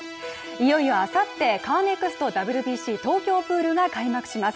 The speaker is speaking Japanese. いよいよあさって、カーネクストＷＢＣ東京プールが開幕します。